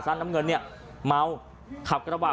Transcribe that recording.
ก็แค่มีเรื่องเดียวให้มันพอแค่นี้เถอะ